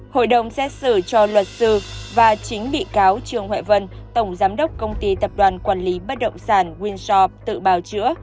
hội đồng xét xử cho luật sư và chính bị cáo trương huệ vân tổng giám đốc công ty tập đoàn quản lý bất động sản winsof tự bào chữa